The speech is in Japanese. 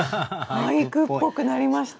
俳句っぽくなりました！